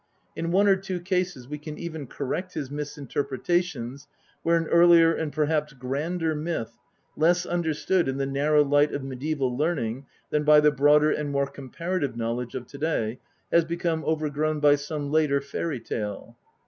In one or two cases we can even correct his misinterpretations where an earlier and perhaps grander myth, less understood in the narrow light of mediaeval learning than by the broader and more comparative knowledge of to day, has become over grown by some later fairy tale.